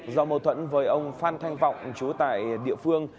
do mâu thuẫn với ông phan thanh vọng chú tại địa phương